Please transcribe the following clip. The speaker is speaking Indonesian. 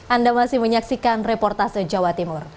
anda masih menyaksikan reportase jawa timur